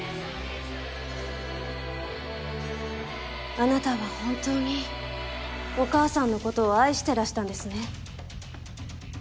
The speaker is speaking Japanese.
あなたは本当にお母さんの事を愛してらしたんですね。